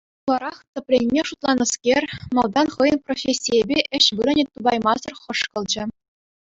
Хуларах тӗпленме шутланӑскер малтан хӑйӗн профессийӗпе ĕç вырӑнӗ тупаймасӑр хӑшкӑлчӗ.